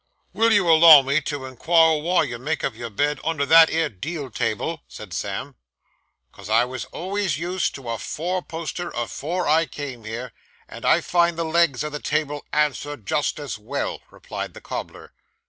'Will you allow me to in quire wy you make up your bed under that 'ere deal table?' said Sam. ''Cause I was always used to a four poster afore I came here, and I find the legs of the table answer just as well,' replied the cobbler.